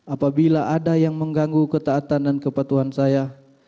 apabila ada yang mengganggu ketaatan dan kepatuhan saya